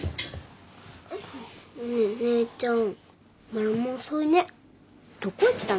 ねえお姉ちゃんマルモ遅いねどこ行ったの？